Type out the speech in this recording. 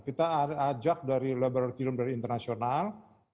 kita ajak dari laboratorium dari internasional